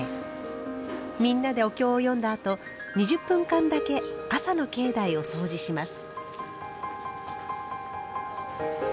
みんなでお経を読んだあと２０分間だけ朝の境内をそうじします。